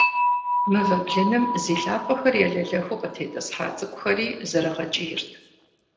Мывэ блыным зи лъакъуэхэр елэлэхыу къытетIысхьа цIыкIухэри зэрыгъэкIийрт.